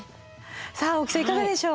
さあ大木さんいかがでしょう。